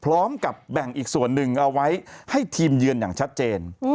พร้อมกับแบ่งอีกส่วนหนึ่งเอาไว้ให้ทีมเยือนอย่างชัดเจน